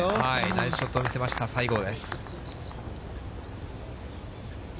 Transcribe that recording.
ナイスショットを見せました、西郷です。